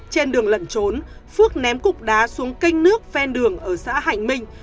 trên đường lận trốn phước ném cục đá xuống canh nước ven đường ở xã hành minh